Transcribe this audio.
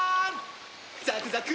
ザクザク！